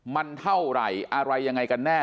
มันเท่าไหร่อะไรยังไงกันแน่